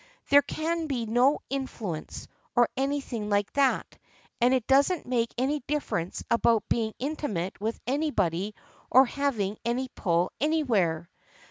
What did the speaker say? There can be no influence, or anything like that, and it doesn't make any difference about being intimate with anybody, or having any pull anywhere.